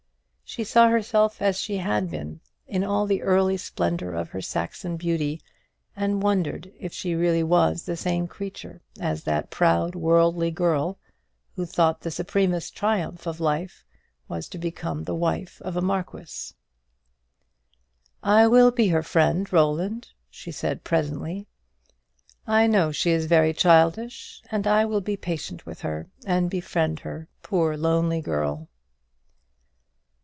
She saw herself as she had been, in all the early splendour of her Saxon beauty, and wondered if she really was the same creature as that proud worldly girl who thought the supremest triumph in life was to become the wife of a marquis. "I will be her friend, Roland," she said, presently. "I know she is very childish; and I will be patient with her and befriend her, poor lonely girl."